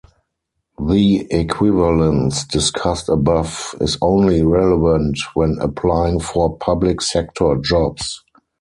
The equivalence discussed above is only relevant when applying for public sector jobs.